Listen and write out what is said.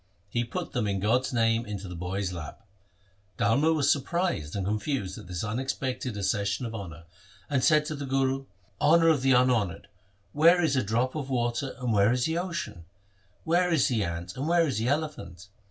He put them in God's name into the boy's lap. Dharma was surprised and confused at this unexpected accession of honour, and said to the Guru, ' Honour of the unhonoured, where is a drop of water and where is the ocean ? Where is the ant and where is the elephant